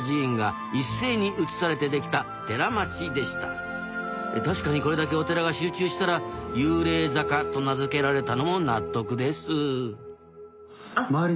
実は確かにこれだけお寺が集中したら幽霊坂と名付けられたのも納得です周り